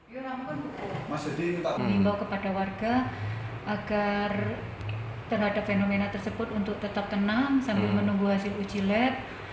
mengimbau kepada warga agar terhadap fenomena tersebut untuk tetap tenang sambil menunggu hasil uji lab